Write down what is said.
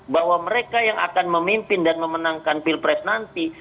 bahwa mereka yang akan memimpin dan memenangkan pilpres nanti